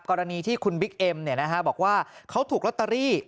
กรณีที่คุณบิ๊กเอ็มบอกว่าเขาถูกลอตเตอรี่